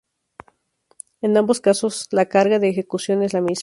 En ambos casos la carga de ejecución es la misma.